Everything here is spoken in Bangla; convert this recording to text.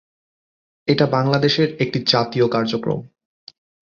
এটি বাংলাদেশের একটি জাতীয় কার্যক্রম।